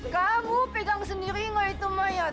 kamu pegang sendiri nggak itu mayat